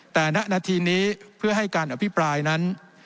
แต่ณนาทีนี้เพื่อให้การอภิปรายนั้น